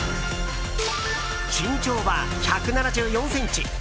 身長は１７４ｃｍ。